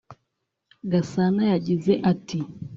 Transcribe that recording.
Gasana yagize ati